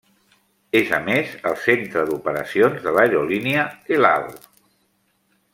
És, a més, el centre d'operacions de l'aerolínia El Al.